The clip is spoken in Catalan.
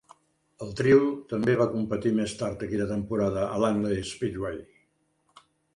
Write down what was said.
El trio també va competir més tard aquella temporada a Langley Speedway.